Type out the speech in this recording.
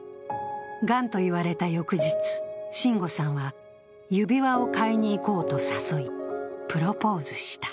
がんと言われた翌日、真悟さんは指輪を買いに行こうと誘い、プロポーズした。